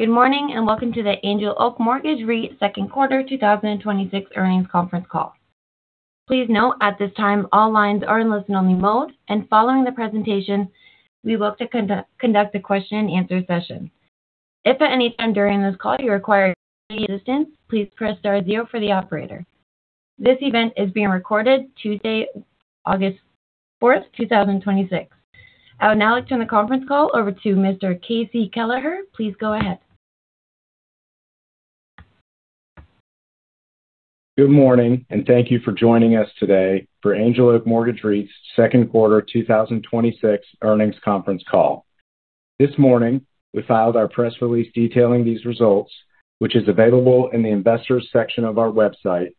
Good morning, and welcome to the Angel Oak Mortgage REIT second quarter 2026 earnings conference call. Please note at this time, all lines are in listen-only mode, and following the presentation, we look to conduct a question-and-answer session. If at any time during this call you require any assistance, please press star zero for the operator. This event is being recorded Tuesday, August 4th, 2026. I will now turn the conference call over to Mr. KC Kelleher. Please go ahead. Good morning, and thank you for joining us today for Angel Oak Mortgage REIT's second quarter 2026 earnings conference call. This morning, we filed our press release detailing these results, which is available in the Investors section of our website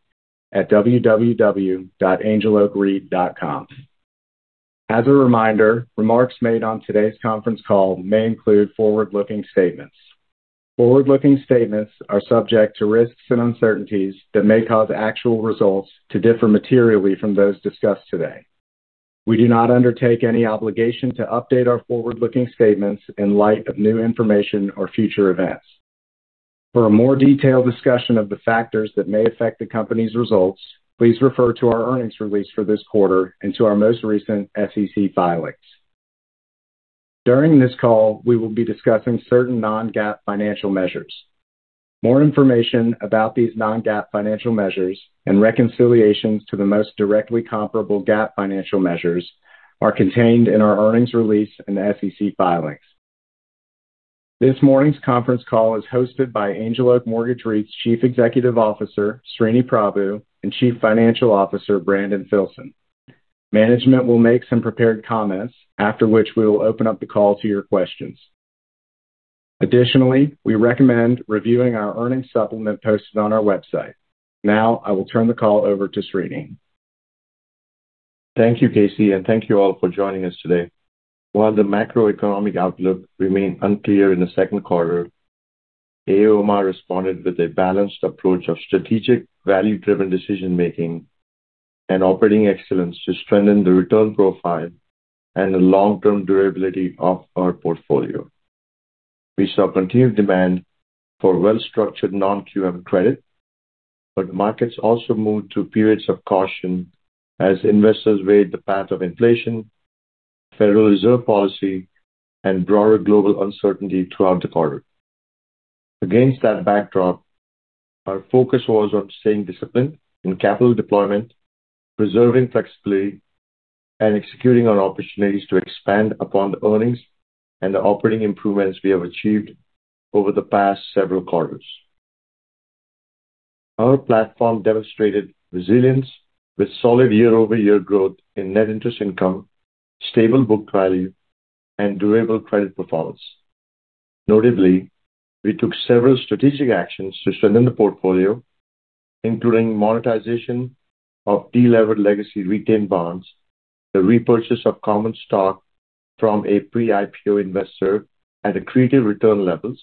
at www.angeloakreit.com. As a reminder, remarks made on today's conference call may include forward-looking statements. Forward-looking statements are subject to risks and uncertainties that may cause actual results to differ materially from those discussed today. We do not undertake any obligation to update our forward-looking statements in light of new information or future events. For a more detailed discussion of the factors that may affect the company's results, please refer to our earnings release for this quarter and to our most recent SEC filings. During this call, we will be discussing certain non-GAAP financial measures. More information about these non-GAAP financial measures and reconciliations to the most directly comparable GAAP financial measures are contained in our earnings release and SEC filings. This morning's conference call is hosted by Angel Oak Mortgage REIT's Chief Executive Officer, Sreeni Prabhu, and Chief Financial Officer, Brandon Filson. Management will make some prepared comments, after which we will open up the call to your questions. Additionally, we recommend reviewing our earnings supplement posted on our website. I will turn the call over to Sreeni. Thank you, KC, and thank you all for joining us today. While the macroeconomic outlook remained unclear in the second quarter, AOMR responded with a balanced approach of strategic value-driven decision-making and operating excellence to strengthen the return profile and the long-term durability of our portfolio. We saw continued demand for well-structured non-QM credit, but markets also moved through periods of caution as investors weighed the path of inflation, Federal Reserve policy, and broader global uncertainty throughout the quarter. Against that backdrop, our focus was on staying disciplined in capital deployment, preserving flexibility, and executing on opportunities to expand upon the earnings and the operating improvements we have achieved over the past several quarters. Our platform demonstrated resilience with solid year-over-year growth in net interest income, stable book value, and durable credit performance. Notably, we took several strategic actions to strengthen the portfolio, including monetization of de-levered legacy retained bonds, the repurchase of common stock from a pre-IPO investor at accretive return levels,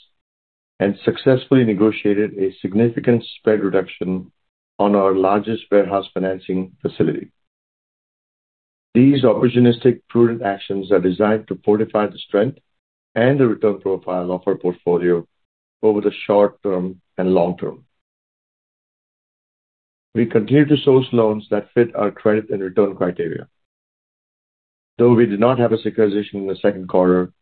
and successfully negotiated a significant spread reduction on our largest warehouse financing facility. These opportunistic, prudent actions are designed to fortify the strength and the return profile of our portfolio over the short term and long term. We continue to source loans that fit our credit and return criteria. Though we did not have a securitization in the second quarter,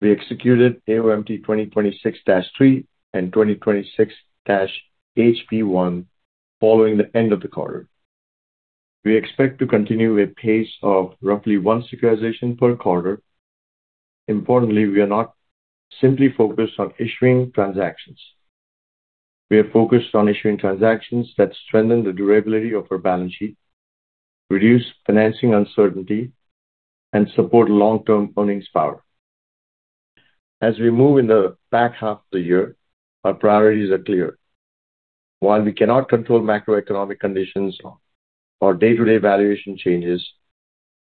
we executed AOMT 2026-3 and 2026-HB1 following the end of the quarter. We expect to continue a pace of roughly one securitization per quarter. Importantly, we are not simply focused on issuing transactions. We are focused on issuing transactions that strengthen the durability of our balance sheet, reduce financing uncertainty, and support long-term earnings power. As we move in the back half of the year, our priorities are clear. While we cannot control macroeconomic conditions or day-to-day valuation changes,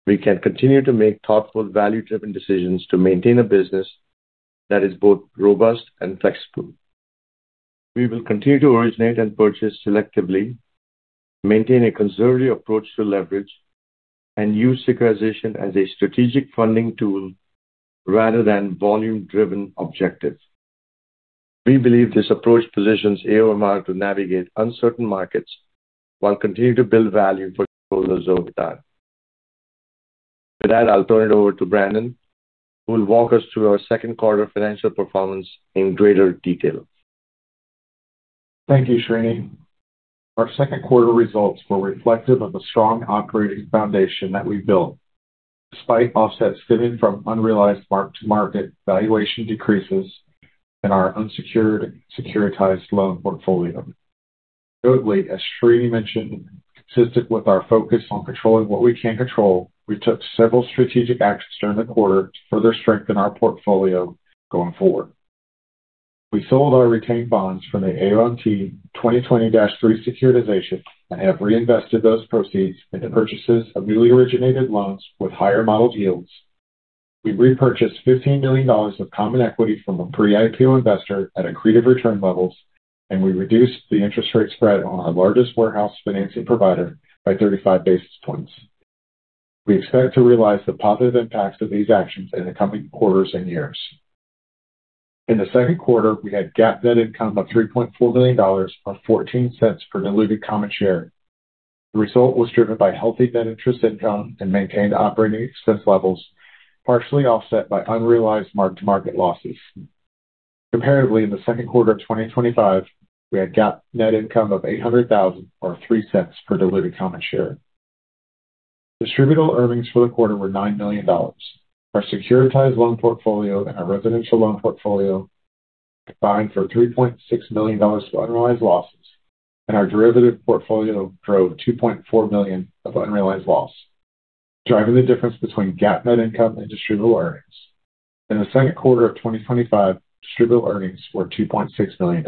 we can continue to make thoughtful, value-driven decisions to maintain a business that is both robust and flexible. We will continue to originate and purchase selectively, maintain a conservative approach to leverage, and use securitization as a strategic funding tool rather than volume-driven objective. We believe this approach positions AOMR to navigate uncertain markets while continuing to build value for shareholders over time. With that, I will turn it over to Brandon, who will walk us through our second quarter financial performance in greater detail. Thank you, Sreeni. Our second quarter results were reflective of a strong operating foundation that we built despite offsets stemming from unrealized mark-to-market valuation decreases in our unsecured securitized loan portfolio. Notably, as Sreeni mentioned, consistent with our focus on controlling what we can control, we took several strategic actions during the quarter to further strengthen our portfolio going forward. We sold our retained bonds from the AOMT 2020-3 securitization and have reinvested those proceeds into purchases of newly originated loans with higher modeled yields. We repurchased $15 million of common equity from a pre-IPO investor at accretive return levels, and we reduced the interest rate spread on our largest warehouse financing provider by 35 basis points. We expect to realize the positive impacts of these actions in the coming quarters and years. In the second quarter, we had GAAP net income of $3.4 million, or $0.14 per diluted common share. The result was driven by healthy net interest income and maintained operating expense levels, partially offset by unrealized mark-to-market losses. Comparatively, in the second quarter of 2025, we had GAAP net income of $800,000, or $0.03 per diluted common share. Distributable earnings for the quarter were $9 million. Our securitized loan portfolio and our residential loan portfolio combined for $3.6 million of unrealized losses, and our derivative portfolio drove $2.4 million of unrealized loss, driving the difference between GAAP net income and distributable earnings. In the second quarter of 2025, distributable earnings were $2.6 million.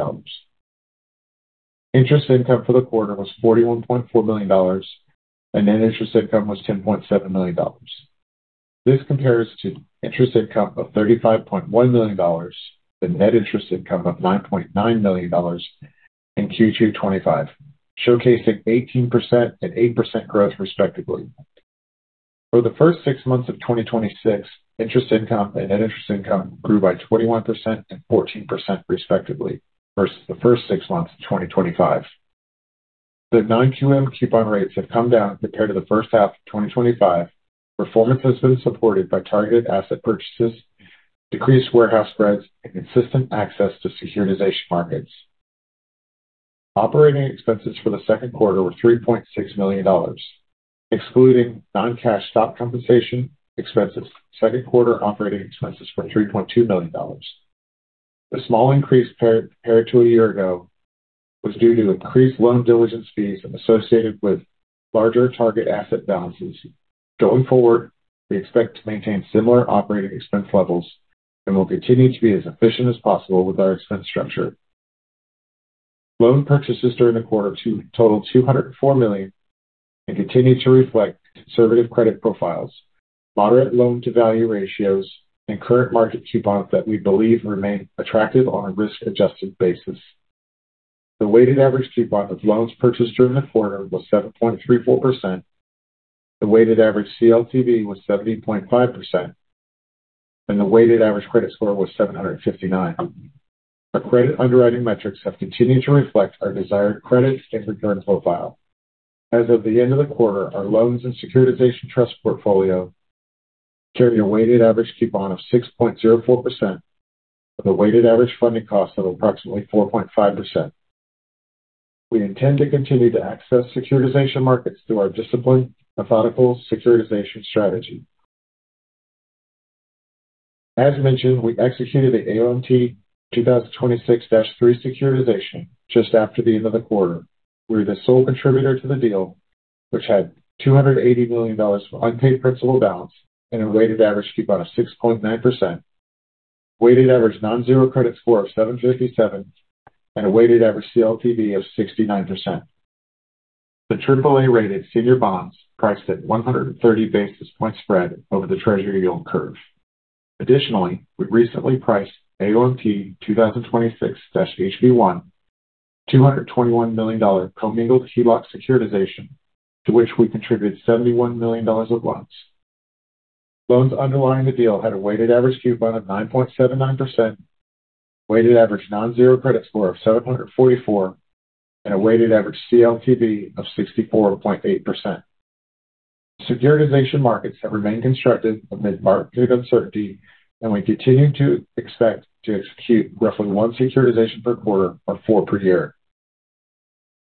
Interest income for the quarter was $41.4 million, and net interest income was $10.7 million. This compares to interest income of $35.1 million and net interest income of $9.9 million in Q2 2025, showcasing 18% and 8% growth, respectively. For the first six months of 2026, interest income and net interest income grew by 21% and 14%, respectively, versus the first six months of 2025. The non-QM coupon rates have come down compared to the first half of 2025. Performance has been supported by targeted asset purchases, decreased warehouse spreads, and consistent access to securitization markets. Operating expenses for the second quarter were $3.6 million. Excluding non-cash stock compensation expenses, second quarter operating expenses were $3.2 million. The small increase compared to a year ago was due to increased loan diligence fees associated with larger target asset balances. Going forward, we expect to maintain similar operating expense levels and will continue to be as efficient as possible with our expense structure. Loan purchases during the quarter totaled $204 million and continued to reflect conservative credit profiles, moderate loan-to-value ratios, and current market coupons that we believe remain attractive on a risk-adjusted basis. The weighted average coupon of loans purchased during the quarter was 7.34%. The weighted average CLTV was 70.5%, and the weighted average credit score was 759. Our credit underwriting metrics have continued to reflect our desired credit and return profile. As of the end of the quarter, our loans and securitization trust portfolio carry a weighted average coupon of 6.04% with a weighted average funding cost of approximately 4.5%. We intend to continue to access securitization markets through our disciplined, methodical securitization strategy. As mentioned, we executed the AOMT 2026-3 securitization just after the end of the quarter. We're the sole contributor to the deal, which had $280 million of unpaid principal balance and a weighted average coupon of 6.9%, weighted average non-zero credit score of 757, and a weighted average CLTV of 69%. The AAA-rated senior bonds priced at 130 basis point spread over the Treasury yield curve. Additionally, we recently priced AOMT 2026-HB1, $221 million commingled HELOC securitization, to which we contributed $71 million of loans. Loans underlying the deal had a weighted average coupon of 9.79%, weighted average non-zero credit score of 744, and a weighted average CLTV of 64.8%. Securitization markets have remained constructed amid market uncertainty, and we continue to expect to execute roughly one securitization per quarter or four per year.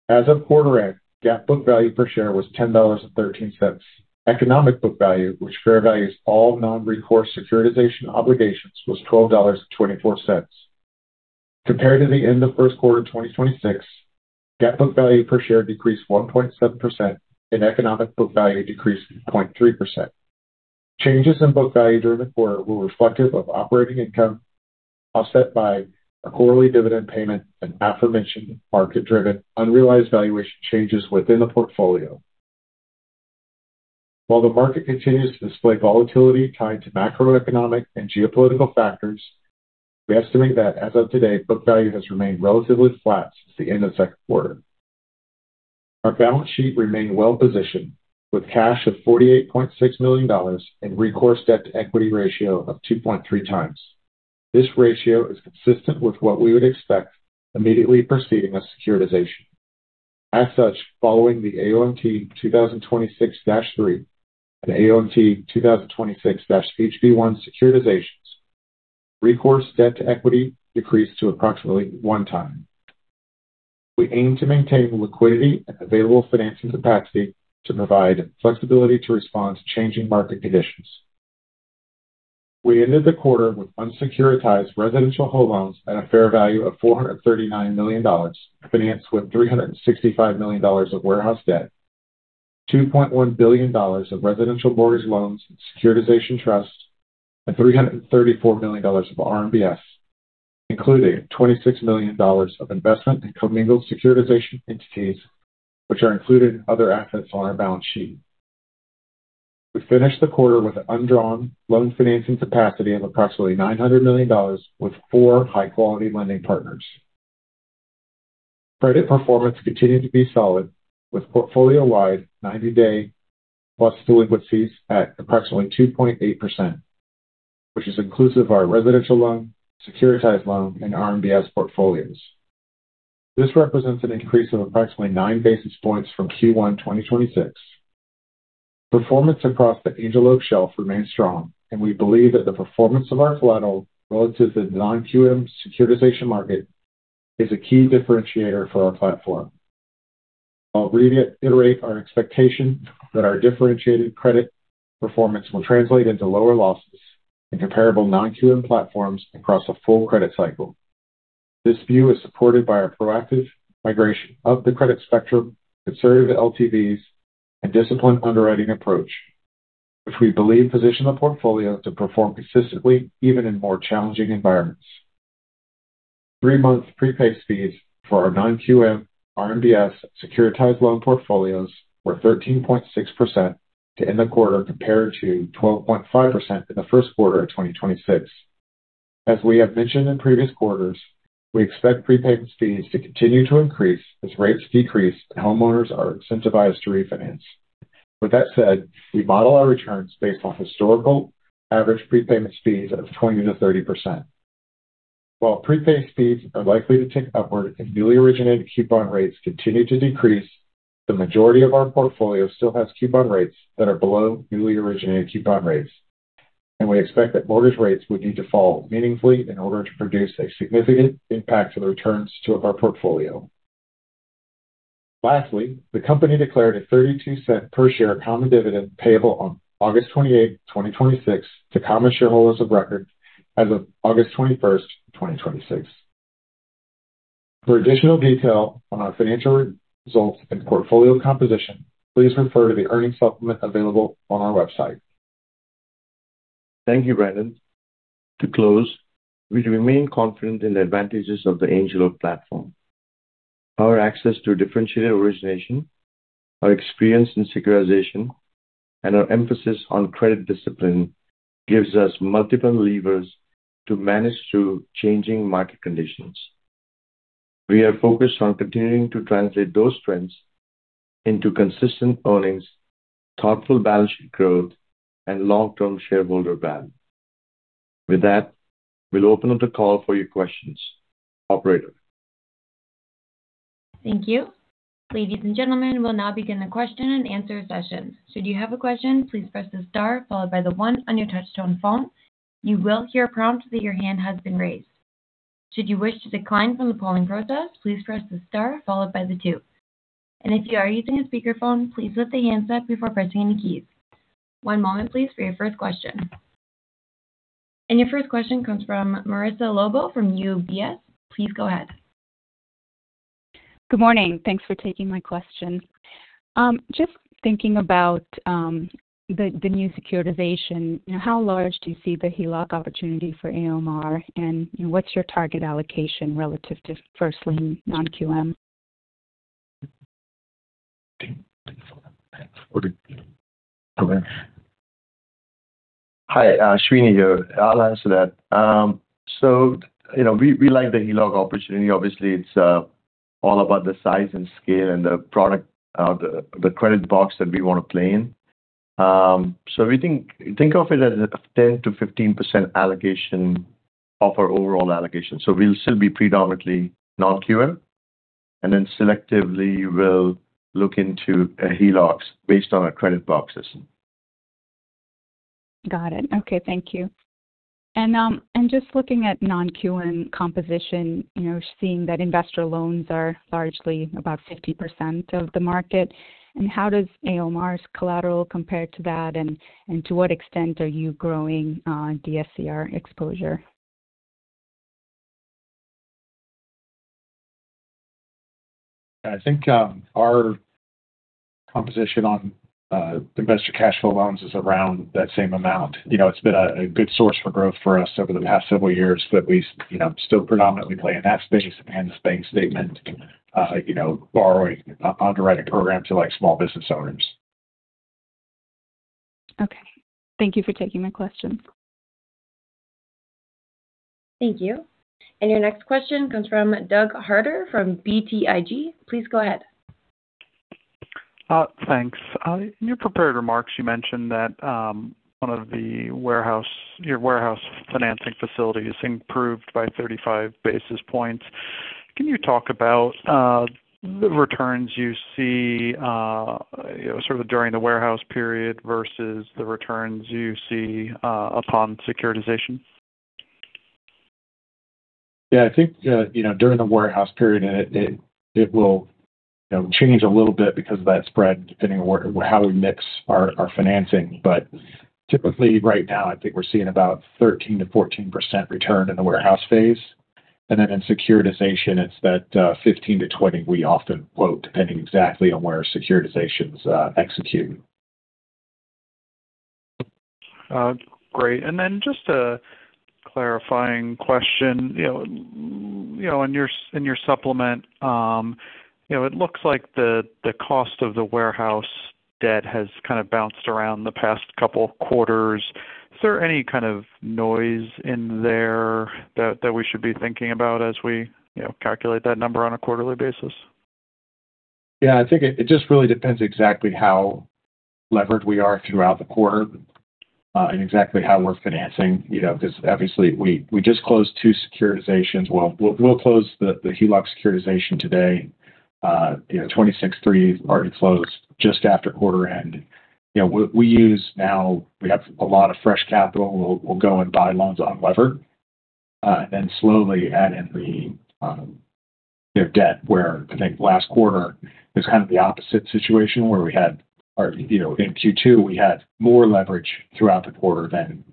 As of quarter end, GAAP book value per share was $10.13. Economic book value, which fair values all non-recourse securitization obligations, was $12.24. Compared to the end of first quarter 2026, GAAP book value per share decreased 1.7%, and economic book value decreased 0.3%. Changes in book value during the quarter were reflective of operating income, offset by a quarterly dividend payment and aforementioned market-driven unrealized valuation changes within the portfolio. While the market continues to display volatility tied to macroeconomic and geopolitical factors, we estimate that as of today, book value has remained relatively flat since the end of second quarter. Our balance sheet remained well-positioned with cash of $48.6 million and recourse debt-to-equity ratio of 2.3x. As such, following the AOMT 2026-3 and AOMT 2026-HB1 securitizations, recourse debt-to-equity decreased to approximately one time. We aim to maintain liquidity and available financing capacity to provide flexibility to respond to changing market conditions. We ended the quarter with unsecuritized residential whole loans at a fair value of $439 million, financed with $365 million of warehouse debt, $2.1 billion of residential mortgage loans and securitization trusts, and $334 million of RMBS, including $26 million of investment in commingled securitization entities, which are included in other assets on our balance sheet. We finished the quarter with undrawn loan financing capacity of approximately $900 million with four high-quality lending partners. Credit performance continued to be solid with portfolio-wide 90-day plus delinquencies at approximately 2.8%, which is inclusive of our residential loan, securitized loan, and RMBS portfolios. This represents an increase of approximately nine basis points from Q1 2026. Performance across the Angel Oak shelf remains strong, and we believe that the performance of our collateral relative to the non-QM securitization market is a key differentiator for our platform. I'll reiterate our expectation that our differentiated credit performance will translate into lower losses in comparable non-QM platforms across a full credit cycle. This view is supported by our proactive migration of the credit spectrum, conservative LTVs, and disciplined underwriting approach, which we believe position the portfolio to perform consistently, even in more challenging environments. Three-month prepayment speeds for our non-QM RMBS securitized loan portfolios were 13.6% to end the quarter, compared to 12.5% in the first quarter of 2026. As we have mentioned in previous quarters, we expect prepayment speeds to continue to increase as rates decrease and homeowners are incentivized to refinance. With that said, we model our returns based on historical average prepayment speeds of 20%-30%. While prepayment speeds are likely to tick upward if newly originated coupon rates continue to decrease, the majority of our portfolio still has coupon rates that are below newly originated coupon rates, and we expect that mortgage rates would need to fall meaningfully in order to produce a significant impact to the returns to our portfolio. Lastly, the company declared a $0.32 per share common dividend payable on August 28th, 2026, to common shareholders of record as of August 21st, 2026. For additional detail on our financial results and portfolio composition, please refer to the earnings supplement available on our website. Thank you, Brandon. To close, we remain confident in the advantages of the Angel Oak platform. Our access to differentiated origination, our experience in securitization, and our emphasis on credit discipline gives us multiple levers to manage through changing market conditions. We are focused on continuing to translate those trends into consistent earnings, thoughtful balance sheet growth, and long-term shareholder value. With that, we'll open up the call for your questions. Operator. Thank you. Ladies and gentlemen, we'll now begin the question-and-answer session. Should you have a question, please press the star followed by the one on your touch-tone phone. You will hear a prompt that your hand has been raised. Should you wish to decline from the polling process, please press the star followed by the two. If you are using a speakerphone, please lift the handset before pressing any keys. One moment, please, for your first question. Your first question comes from Marissa Lobo from UBS. Please go ahead. Good morning. Thanks for taking my question. Just thinking about the new securitization. How large do you see the HELOC opportunity for AOMR? What's your target allocation relative to first lien non-QM? Go ahead. Hi, Sreeni here. I'll answer that. We like the HELOC opportunity. Obviously, it's all about the size and scale and the product, the credit box that we want to play in. We think of it as a 10%-15% allocation of our overall allocation. We'll still be predominantly non-QM, and then selectively we'll look into HELOCs based on our credit boxes. Got it. Okay. Thank you. Just looking at non-QM composition, seeing that investor loans are largely about 50% of the market. How does AOMR's collateral compare to that, and to what extent are you growing on DSCR exposure? I think our composition on investor cash flow loans is around that same amount. It's been a good source for growth for us over the past several years that we still predominantly play in that space, and the bank statement borrowing underwriting program to small business owners. Okay. Thank you for taking my questions. Thank you. Your next question comes from Doug Harter from BTIG. Please go ahead. Thanks. In your prepared remarks, you mentioned that one of your warehouse financing facilities improved by 35 basis points. Can you talk about the returns you see sort of during the warehouse period versus the returns you see upon securitization? Yeah, I think during the warehouse period, it will change a little bit because of that spread, depending on how we mix our financing. But typically, right now, I think we're seeing about 13%-14% return in the warehouse phase. In securitization, it's that 15%-20% we often quote, depending exactly on where securitizations execute. Great. Just a clarifying question. In your supplement It looks like the cost of the warehouse debt has kind of bounced around the past couple quarters. Is there any kind of noise in there that we should be thinking about as we calculate that number on a quarterly basis? Yeah, I think it just really depends exactly how levered we are throughout the quarter and exactly how we're financing because obviously we just closed two securitizations. Well, we'll close the HELOC securitization today. 26.3 already closed just after quarter end. We have a lot of fresh capital. We'll go and buy loans unlevered and then slowly add in the debt, where I think last quarter is kind of the opposite situation, where in Q2, we had more leverage throughout the quarter than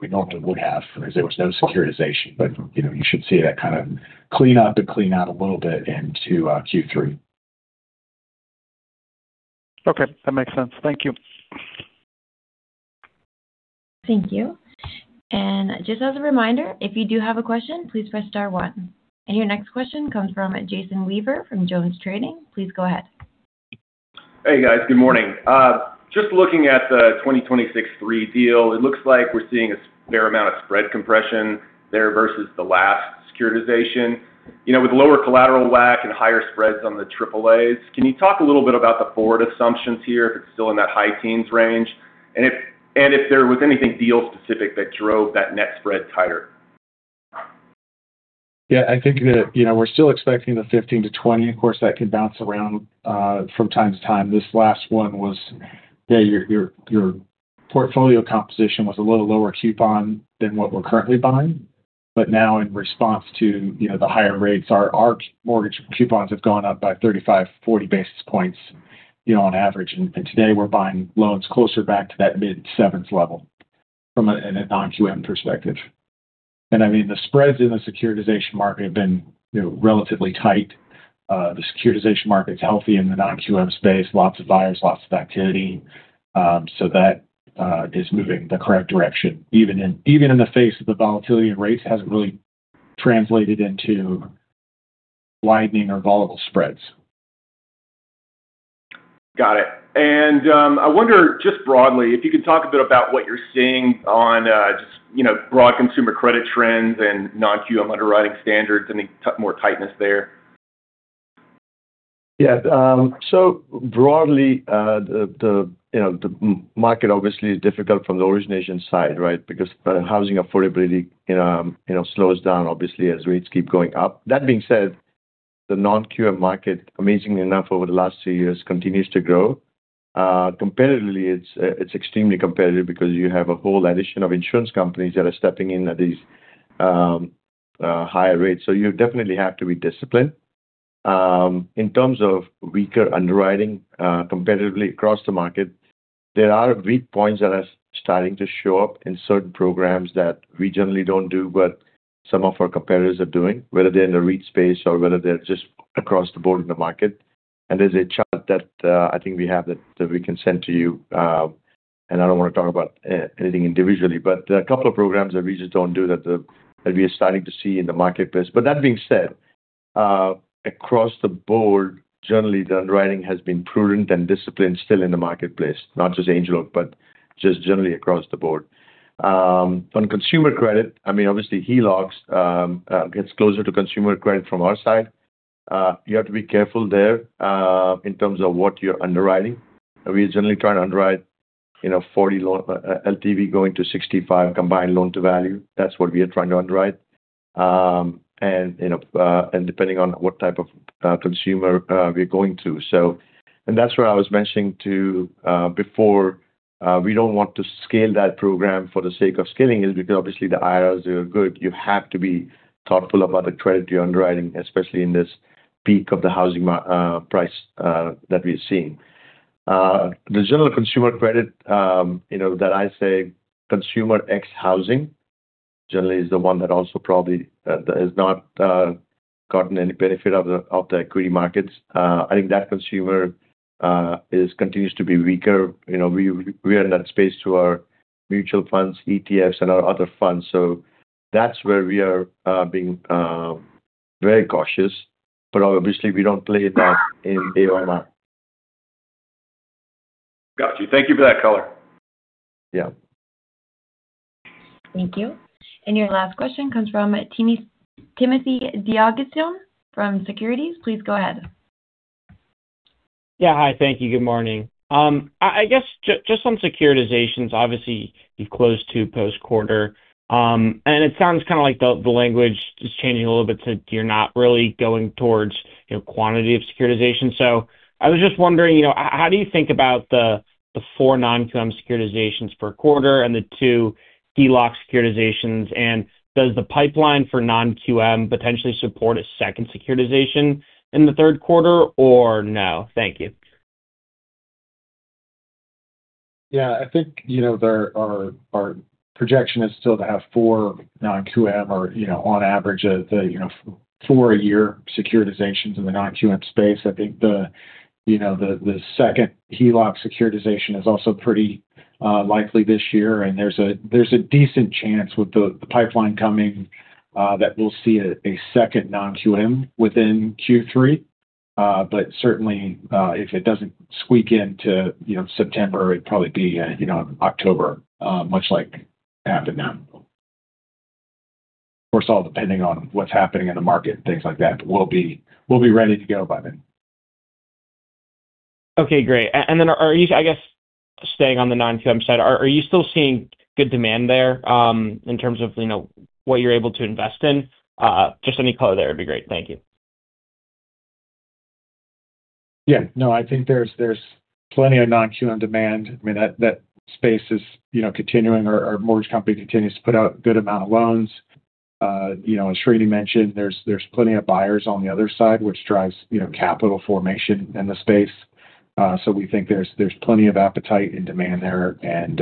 we normally would have, as there was no securitization. You should see that kind of clean up and clean out a little bit into Q3. Okay, that makes sense. Thank you. Thank you. Just as a reminder, if you do have a question, please press star one. Your next question comes from Jason Weaver from JonesTrading. Please go ahead. Hey, guys. Good morning. Just looking at the 2026-3 deal, it looks like we're seeing a fair amount of spread compression there versus the last securitization. With lower collateral WAC and higher spreads on the AAAs, can you talk a little bit about the forward assumptions here if it's still in that high teens range? If there was anything deal-specific that drove that net spread tighter? Yeah, I think that we're still expecting the 15%-20%. Of course, that can bounce around from time to time. This last one was your portfolio composition was a little lower coupon than what we're currently buying. Now in response to the higher rates, our mortgage coupons have gone up by 35, 40 basis points on average. Today we're buying loans closer back to that mid-sevenths level from a non-QM perspective. I mean, the spreads in the securitization market have been relatively tight. The securitization market's healthy in the non-QM space. Lots of buyers, lots of activity. That is moving the correct direction. Even in the face of the volatility in rates hasn't really translated into widening or volatile spreads. Got it. I wonder just broadly if you could talk a bit about what you're seeing on just broad consumer credit trends and non-QM underwriting standards. Any more tightness there? Yeah. Broadly, the market obviously is difficult from the origination side, right? Because housing affordability slows down obviously as rates keep going up. That being said, the non-QM market, amazingly enough, over the last two years continues to grow. Competitively, it's extremely competitive because you have a whole addition of insurance companies that are stepping in at these higher rates. You definitely have to be disciplined. In terms of weaker underwriting competitively across the market, there are weak points that are starting to show up in certain programs that we generally don't do, but some of our competitors are doing, whether they're in the REIT space or whether they're just across the board in the market. There's a chart that I think we have that we can send to you. I don't want to talk about anything individually, but there are a couple of programs that we just don't do that we are starting to see in the marketplace. That being said, across the board, generally the underwriting has been prudent and disciplined still in the marketplace, not just Angel Oak, but just generally across the board. On consumer credit, I mean, obviously HELOCs gets closer to consumer credit from our side. You have to be careful there in terms of what you're underwriting. We generally try, and underwrite 40 LTV, going to 65 combined loan-to-value. That's what we are trying to underwrite. Depending on what type of consumer we're going to. That's where I was mentioning too before we don't want to scale that program for the sake of scaling it because obviously the IRRs are good. You have to be thoughtful about the credit you're underwriting, especially in this peak of the housing price that we're seeing. The general consumer credit that I say, consumer ex-housing, generally is the one that also probably has not gotten any benefit of the equity markets. I think that consumer continues to be weaker. We add that space to our mutual funds, ETFs, and our other funds. That's where we are being very cautious. Obviously, we don't play that in AOMR. Got you. Thank you for that color. Yeah. Thank you. Your last question comes from Timothy D'Agostino from Securities. Please go ahead. Yeah. Hi. Thank you. Good morning. I guess just on securitizations, obviously you closed two post-quarter. It sounds kind of like the language is changing a little bit to you're not really going towards quantity of securitization. I was just wondering how do you think about the four non-QM securitizations per quarter and the two HELOC securitizations, and does the pipeline for non-QM potentially support a second securitization in the third quarter or no? Thank you. Yeah, I think our projection is still to have four non-QM or on average four a year securitizations in the non-QM space. I think the second HELOC securitization is also pretty likely this year, and there's a decent chance with the pipeline coming that we'll see a second non-QM within Q3. Certainly, if it doesn't squeak into September, it'd probably be October much like happened now. Of course, all depending on what's happening in the market and things like that. We'll be ready to go by then. Okay, great. Are you, I guess staying on the non-QM side, are you still seeing good demand there in terms of what you're able to invest in? Just any color there would be great. Thank you. Yeah. No, I think there's plenty of non-QM demand. I mean, that space is continuing, or our mortgage company continues to put out a good amount of loans. As Sreeni mentioned, there's plenty of buyers on the other side which drives capital formation in the space. We think there's plenty of appetite and demand there and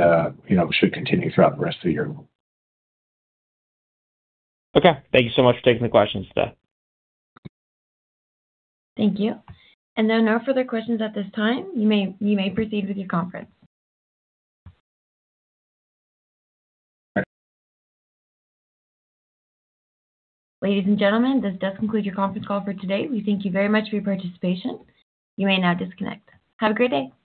should continue throughout the rest of the year. Okay. Thank you so much for taking the questions today. Thank you. There are no further questions at this time. You may proceed with your conference. Ladies and gentlemen, this does conclude your conference call for today. We thank you very much for your participation. You may now disconnect. Have a great day.